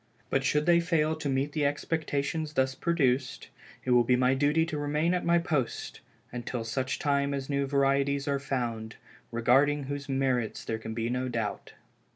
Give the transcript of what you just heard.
But should they fail to meet the expectations thus produced, it will be my duty to remain at my post until such time as new varieties are found, regarding whose merits there can be no doubt.